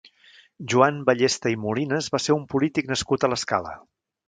Joan Ballesta i Molinas va ser un polític nascut a l'Escala.